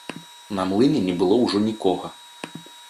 На млыне не было ўжо нікога.